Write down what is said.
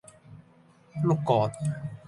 碌葛